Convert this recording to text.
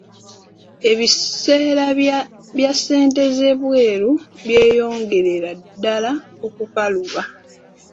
Ebiseera bya ssente z'ebweru byeyongerera ddala okukaluba.